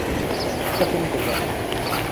چاپ این کتاب